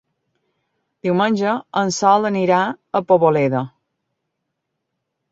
Diumenge en Sol anirà a Poboleda.